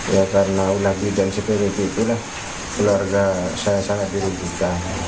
ya karena ulagi dan seperti itulah keluarga saya sangat dirujuk